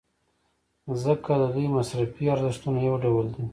ځکه د دوی مصرفي ارزښتونه یو ډول دي.